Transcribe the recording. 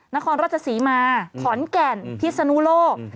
นครราชศรีมาขอนแก่นพิศนุโลก